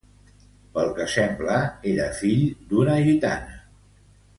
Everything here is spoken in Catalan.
Pel que sembla, era fill d'una gitana.